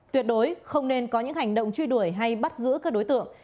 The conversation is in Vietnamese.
tuyệt đối không nên có những hành động truy đuổi hay bắt giữ các đối tượng